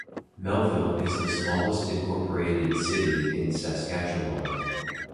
Melville is the smallest incorporated city in Saskatchewan.